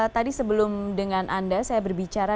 tadi sebelum dengan anda saya berbicara